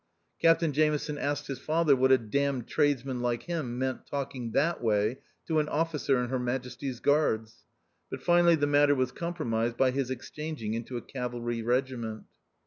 Captain Jameson asked his father what a damned tradesman like him meant talking that way to an officer in Her Majesty's Guards, but finally the matter was compro mised by his exchanging into a cavalry regiment.